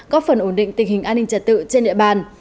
góp phần ổn định tình hình an ninh trật tự trên địa bàn